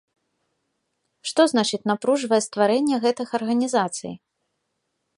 Што значыць напружвае стварэнне гэтых арганізацый?